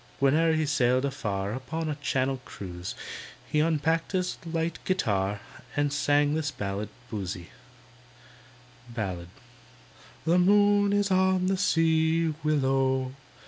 Whene'er he sailed afar Upon a Channel cruise, he Unpacked his light guitar And sang this ballad (Boosey): Ballad The moon is on the sea, Willow!